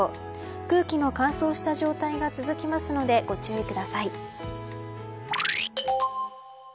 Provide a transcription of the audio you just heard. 空気の乾燥した状態が続きますのでご注意ください。